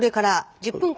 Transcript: １０分。